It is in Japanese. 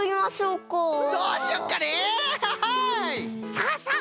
さあさあ